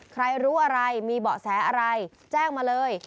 ใครรู้อะไรมีเบาะแสอะไรแจ้งมาเลย